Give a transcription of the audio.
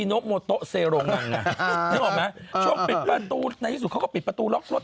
โนโมโต๊เซรงนึกออกไหมช่วงปิดประตูในที่สุดเขาก็ปิดประตูล็อกรถ